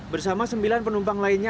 bersama sembilan penumpang lainnya